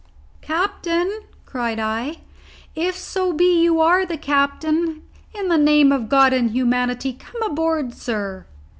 "Captain," cried I, "if so be you are the captain, in the name of God and humanity come aboard, sir."